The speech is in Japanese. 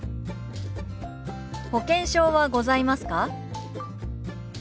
「保険証はございますか？」。